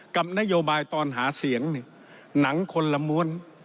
กับนโยบายตอนหาเสียงหนังคนละม้วน